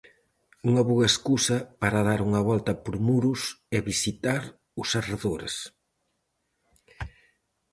Unha boa escusa para dar unha volta por Muros e visitar os arredores.